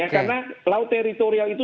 karena laut teritorial itu